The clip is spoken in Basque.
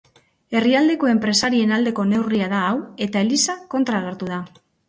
Herrialdeko enpresarien aldeko neurria da hau eta eliza kontra agertu da.